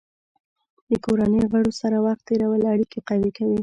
د کورنۍ غړو سره وخت تېرول اړیکې قوي کوي.